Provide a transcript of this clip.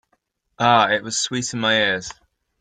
Ah, it was sweet in my ears.